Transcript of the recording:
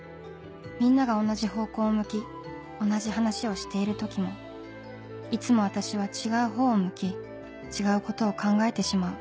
みんなが同じ方向を向き同じ話をしている時もいつも私は違う方を向き違うことを考えてしまう